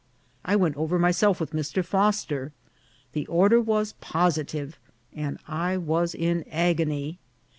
I went over myself with Mr. Foster. The order was positive, and I was in agony.